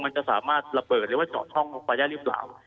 มันจะสามารถระเบิดหรือว่าต่อช่องประหยัดรึเปล่า